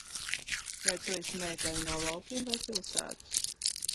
Vai tu esi meitene no laukiem vai pilsētas?